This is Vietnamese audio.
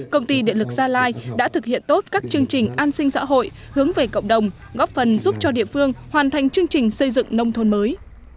công ty điện lực gia lai đã thực hiện tốt các chương trình an sinh xã hội hướng về cộng đồng góp phần giúp cho địa phương hoàn thành chương trình xây dựng nông thôn mới